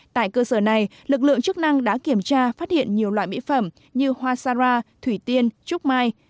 tại cơ sở này lực lượng chức năng đã kiểm tra phát hiện nhiều loại mỹ phẩm như hoa sara thủy tiên trúc mai